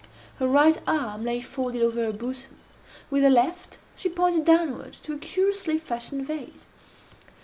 Her right arm lay folded over her bosom. With her left she pointed downward to a curiously fashioned vase.